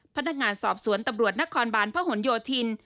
พนักงานสอบสวนตำรวจนครบาลพระหลโยธิน